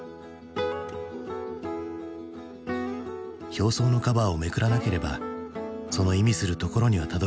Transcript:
表層のカバーをめくらなければその意味するところにはたどりつけない。